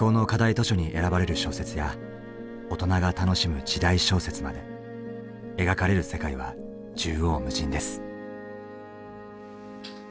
図書に選ばれる小説や大人が楽しむ時代小説まで描かれる世界は縦横無尽です。